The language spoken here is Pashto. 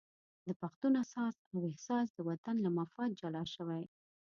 د پښتون اساس او احساس د وطن له مفاد جلا شوی.